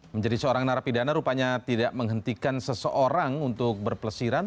menjadi seorang narapidana rupanya tidak menghentikan seseorang untuk berpelesiran